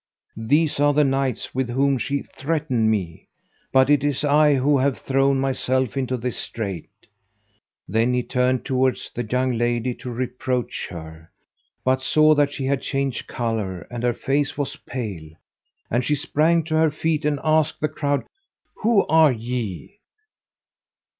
These are the Knights with whom she threatened me; but 'tis I who have thrown myself into this strait." Then he turned towards the young lady to reproach her, but saw that she had changed colour and her face was pale; and she sprang to her feet and asked the crowd, "Who are ye?"